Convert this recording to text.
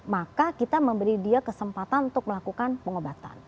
maka kita memberi dia kesempatan untuk melakukan pengobatan